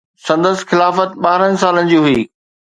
سندس خلافت ٻارهن سالن جي هئي